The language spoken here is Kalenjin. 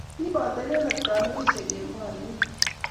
kiboto inendet kandoisie eng' boriet